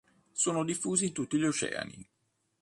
Sono diffusi in tutti gli oceani.